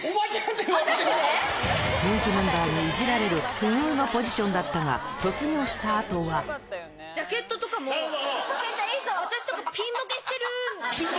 人気メンバーにいじられる、不遇のポジションだったが、ジャケットとかも、私とか、ピンボケしてる。